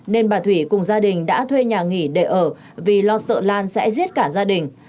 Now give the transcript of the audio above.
nên bà thủy cùng gia đình đã thuê nhà nghỉ để ở vì lo sợ lan sẽ giết cả gia đình